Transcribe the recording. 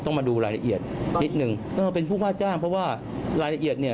มาดูรายละเอียดนิดหนึ่งเออเป็นผู้ว่าจ้างเพราะว่ารายละเอียดเนี่ย